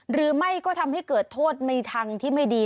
หรือไม่ก็ทำให้เกิดโทษในทางที่ไม่ดี